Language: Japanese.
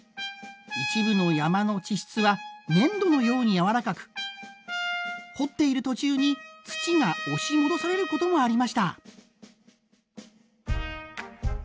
一部の山の地質は粘土のように軟らかく掘っている途中に土が押し戻されることもありました。